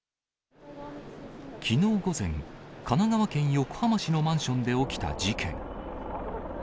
きのう午前、神奈川県横浜市のマンションで起きた事件。